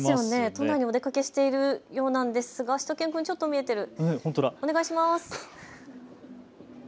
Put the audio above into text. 都内にお出かけしているようなんですが、しゅと犬くん、ちょっと見えている。